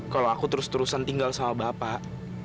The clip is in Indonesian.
kalau aku terus terusan tinggal sama bapak